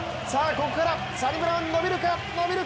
ここからサニブラウン伸びるか。